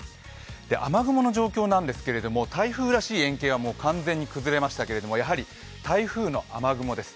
雨雲の状況なんですが、台風らしい円形は完全に崩れましたけれども、やはり台風の雨雲です。